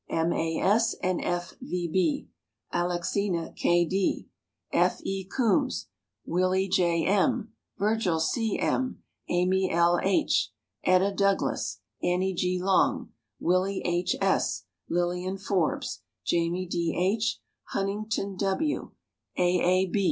M. A. S., and F. V. B., Alexina K. D., F. E. Coombs, Willie J. M., Virgil C. M., Amy L. H., Etta Douglass, Annie G. Long, Willie H. S., Lilian Forbes, Jamie D. H., Huntington W., A. A.